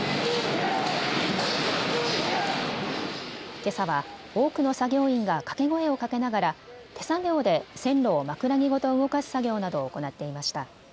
けさは多くの作業員が掛け声をかけながら手作業で線路を枕木ごと動かす作業などを行っていました。